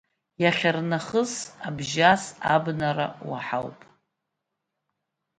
Иахьарнахыс, Абжьас, абнара уаҳуп!